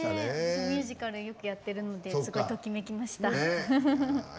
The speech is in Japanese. ミュージカルよくやってるのですごいときめきました。